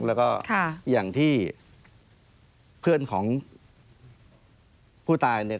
แล้วก็อย่างที่เพื่อนของผู้ตายเนี่ย